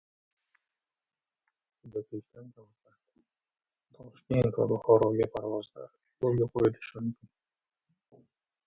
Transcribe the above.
Budapeshtdan Samarqand, Toshkent va Buxoroga parvozlar yo‘lga qo‘yilishi mumkin